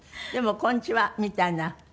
でも「こんにちは」みたいな。